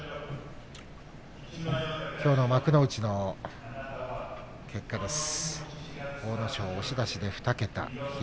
きょうの幕内の結果です。